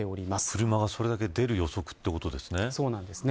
車がそれだけ出る予測ということですね。